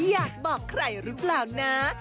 อยากบอกใครหรือเปล่านะ